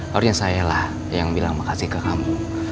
barunya saya lah yang bilang makasih ke kamu